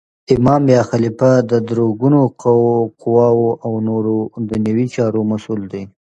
امام یا خلیفه د درو ګونو قوواو او نور دنیوي چارو مسول دی.